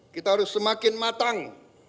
kita harus semakin matang